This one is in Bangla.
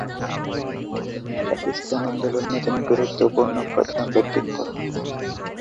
পাকিস্তান আন্দোলনে তিনি গুরুত্বপূর্ণ প্রধান ব্যক্তিত্ব।